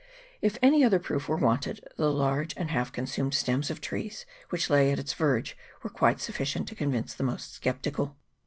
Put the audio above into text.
If any other proof were wanted, the large and half consumed stems of trees which lay at its verge were quite sufficient to. convince the most sceptical.